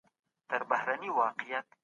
او ټينګه غېږه وركړي